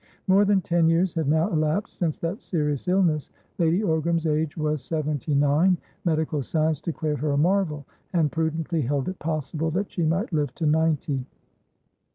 More than ten years had now elapsed since that serious illness. Lady Ogram's age was seventy nine. Medical science declared her a marvel, and prudently held it possible that she might live to ninety.